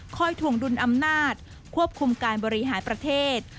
ถวงดุลอำนาจควบคุมการบริหารประเทศ